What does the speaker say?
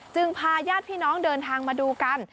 พาญาติพี่น้องเดินทางมาดูกัน